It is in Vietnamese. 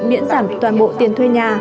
miễn giảm toàn bộ tiền thuê nhà